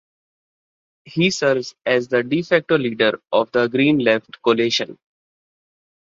He serves as the "de facto" leader of the Green–Left Coalition.